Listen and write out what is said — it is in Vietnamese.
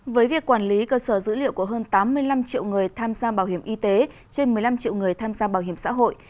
với việc quản lý cơ sở dữ liệu của hơn tám mươi năm triệu người tham gia bảo hiểm y tế trên một mươi năm triệu người tham gia bảo hiểm xã hội